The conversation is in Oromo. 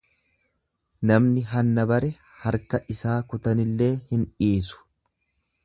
Namni hanna bare harka isaa kutanillee hin dhiisu.